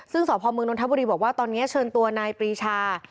ซึ่งสพมนนทบุรีบอกว่าตอนนี้เชิญตัวนายปรีชา